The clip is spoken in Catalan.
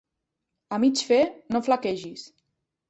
A mig fer, no flaquegis!